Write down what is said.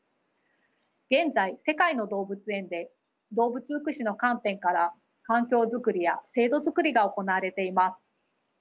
現在世界の動物園で動物福祉の観点から環境作りや制度作りが行われています。